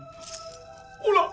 ほら！